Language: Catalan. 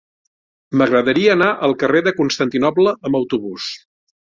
M'agradaria anar al carrer de Constantinoble amb autobús.